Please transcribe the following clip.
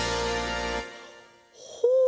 ほう！